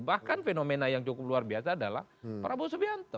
bahkan fenomena yang cukup luar biasa adalah prabowo subianto